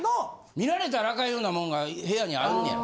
見られたらアカンようなもんが部屋にあんねやろ？